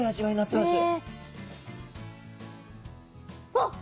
あっ！